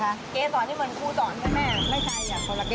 เกศราดุลที่เหมือนครูซอดใช่ไหมแม่